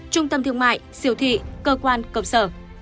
trung tâm thương mại siêu thị cơ quan công sở